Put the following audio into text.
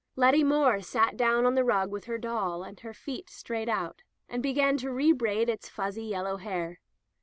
Letty Moore sat down on the rug with her doll, her feet straight out, and began to rebraid its fuzzy, yellow hair.